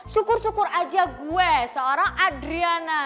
syukur syukur aja gue seorang adriana